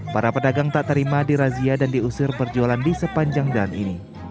para pedagang tak terima dirazia dan diusir perjualan di sepanjang jalan ini